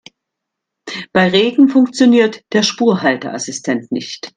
Bei Regen funktioniert der Spurhalteassistent nicht.